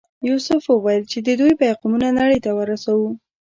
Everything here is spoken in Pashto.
یوسف وویل چې د دوی پیغامونه نړۍ ته ورسوو.